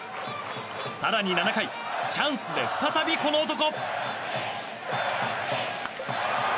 更に７回、チャンスで再びこの男。